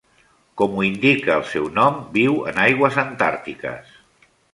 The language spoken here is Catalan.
Com ho indica el seu nom, viu en aigües antàrtiques.